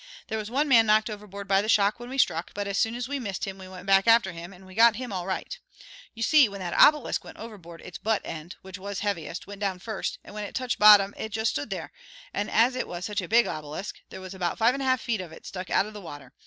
There was one man knocked overboard by the shock when we struck, but as soon as we missed him we went back after him and we got him all right. You see, when that obelisk went overboard, its butt end, which was heaviest, went down first, and when it touched the bottom it just stood there, and as it was such a big obelisk there was about five and a half feet of it stuck out of the water.